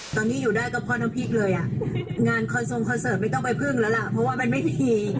ตอนนี้อยู่ได้ก็เพราะน้ำพริกเลยอ่ะงานคอนทรงคอนเสิร์ตไม่ต้องไปพึ่งแล้วล่ะเพราะว่ามันไม่มี